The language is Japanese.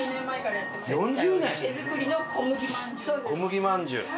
小麦まんじゅう。